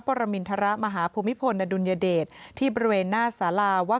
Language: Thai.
ปรมินทระมหาภูมิพลอดุนยาเดตที่บริเวนหน้าสาลาวะ